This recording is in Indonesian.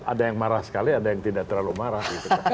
ada yang marah sekali ada yang tidak terlalu marah